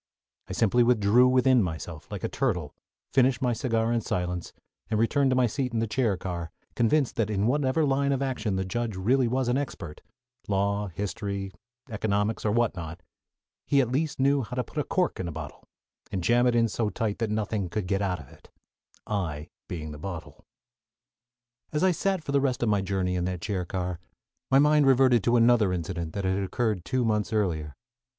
I simply withdrew within myself, like a turtle, finished my cigar in silence, and returned to my seat in the chair car, convinced that in whatever line of action the judge was really an expert law, history, economics, or what not he at least knew how to put a cork in a bottle, and jam it in so tight that nothing could get out of it I being the bottle. [Illustration: "Yes, and you are fifty years behind us in every other respect!"] As I sat for the rest of my journey in that chair car my mind reverted to another incident that had occurred two months earlier.